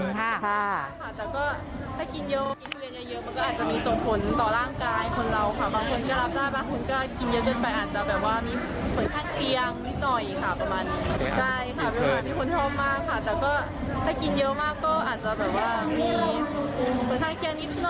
อาจจะมีส่งผลต่อร่างกายคนเราค่ะบางคนก็รับได้บางคนก็กินเยอะเยอะไป